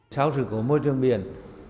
sau sự cố môi trường biển